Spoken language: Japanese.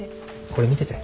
これ見てて。